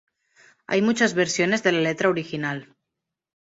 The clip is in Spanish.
Hay muchas versiones de la letra original.